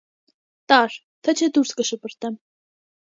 - Տա՛ր, թե չէ դուրս կշպրտեմ: